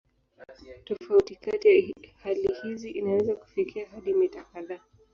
Tofauti kati ya hali hizi inaweza kufikia hadi mita kadhaa.